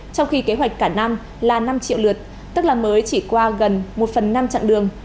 trong khi kế hoạch cả năm là năm triệu lượt tức là mới chỉ qua gần một phần năm chặng đường